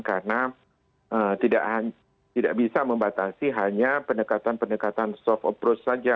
karena tidak bisa membatasi hanya pendekatan pendekatan soft approach saja